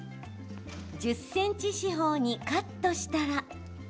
１０ｃｍ四方にカットしたら。